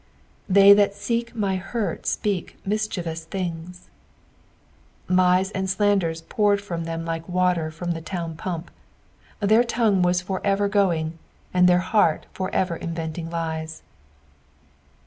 "They that teek my hurt ipeak minehiewui thitigi." Lies and slanders poured from them like water from the town pump. Their tongue was for ever going, and their heart for ever inventing bea.